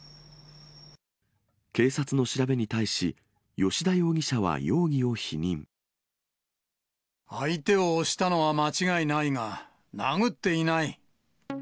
警察の調べに対し、相手を押したのは間違いないが、殴っていない。